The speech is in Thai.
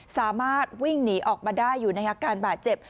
สามารถวิ่งหนีออกมาได้อยู่ในอาการบาดเจ็บ